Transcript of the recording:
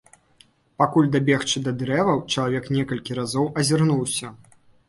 Пакуль дабегчы да дрэваў, чалавек некалькі разоў азірнуўся.